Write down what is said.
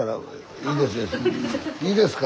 いいですか？